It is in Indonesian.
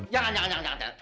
jangan jangan jangan